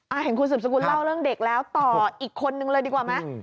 เห็นคุณสืบสกุลเล่าเรื่องเด็กแล้วต่ออีกคนนึงเลยดีกว่าไหม